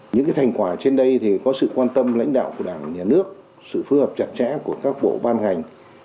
những thành quả trên đây có sự quan tâm lãnh đạo của đảng nhà nước sự phù hợp chặt chẽ của các bộ ban ngành